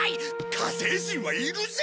火星人はいるぜ！